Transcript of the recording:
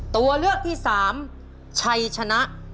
ตัวเลือกที่๓ชัยชนะ